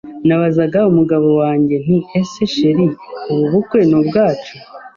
Nabazaga umugabo wanjye nti ese chr ubu bukwe ni ubwacu?